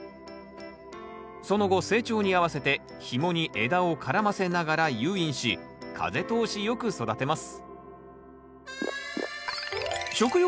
その後成長に合わせてひもに枝を絡ませながら誘引し風通しよく育てます